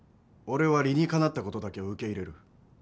俺は理にかなった事だけを受け入れる。